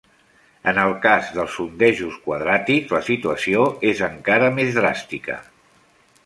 En el cas dels sondejos quadràtics, la situació és encara més dràstica.